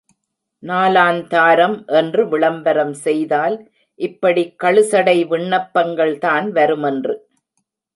நாலாந்தாரம் என்று விளம்பரம் செய்தால் இப்படிக் கழுசடை விண்ணப்பங்கள்தான் வருமென்று.